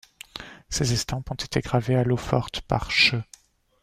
Ces estampes ont été gravées à l'eau-forte, par ch.